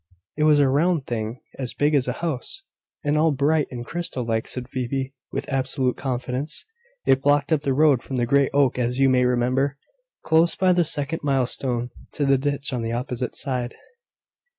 "It was a round thing, as big as a house, and all bright and crystal like," said Phoebe, with absolute confidence. "It blocked up the road from the great oak that you may remember, close by the second milestone, to the ditch on the opposite side."